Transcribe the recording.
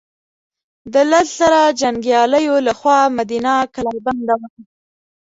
د لس زره جنګیالیو له خوا مدینه کلا بنده وه.